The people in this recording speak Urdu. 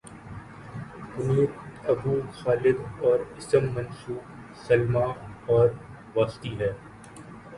کنیت ابو خالد اور اسم منسوب سلمی اور واسطی ہے